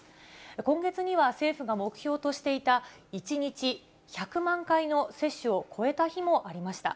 今月には、政府が目標としていた１日１００万回の接種を超えた日もありました。